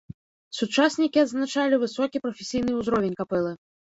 Сучаснікі адзначалі высокі прафесійны ўзровень капэлы.